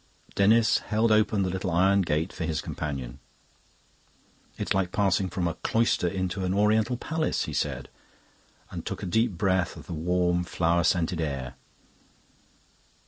Denis held open the little iron gate for his companion. "It's like passing from a cloister into an Oriental palace," he said, and took a deep breath of the warm, flower scented air.